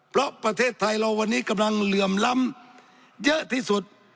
เพราะประเทศไทยเราวันนี้กำลังเหลื่อมล้ำเยอะที่สุด